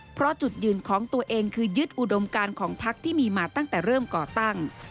เพราะจุดยืนของตัวเองคือยึดอุดมการของพักที่มีมาตั้งแต่เริ่มก่อตั้ง